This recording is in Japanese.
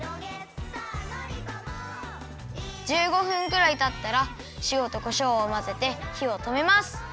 １５分ぐらいたったらしおとこしょうをまぜてひをとめます。